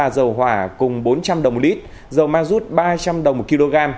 dầu hỏa là bốn trăm linh đồng một lít dầu mazut là ba trăm linh đồng một kg